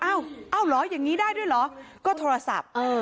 อ้าวอ้าวเหรออย่างงี้ได้ด้วยเหรอก็โทรศัพท์เออ